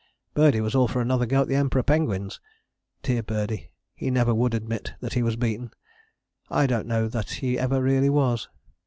Birdie was all for another go at the Emperor penguins. Dear Birdie, he never would admit that he was beaten I don't know that he ever really was!